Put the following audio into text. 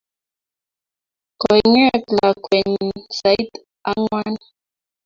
Koing'et lakwennyi sait ang'wan